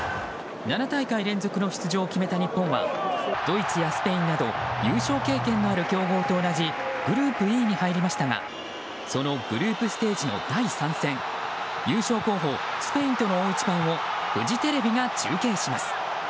７大会連続の出場を決めた日本はドイツやスペインなど優勝経験のある強豪と同じグループＥに入りましたがそのグループステージの第３戦優勝候補、スペインとの大一番をフジテレビが中継します。